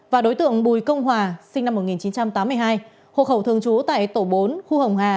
và đối tượng bùi công hòa sinh năm một nghìn chín trăm tám mươi hai hộ khẩu thường trú tại tổ bốn khu hồng hà